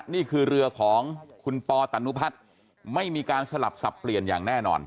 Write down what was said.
นี่คือเรือของคุณปอตนุพัฒน์ไม่มีการสลับสับเปลี่ยนอย่างแน่นอน